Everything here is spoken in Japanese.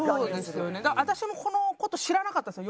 私もこの事知らなかったんですよ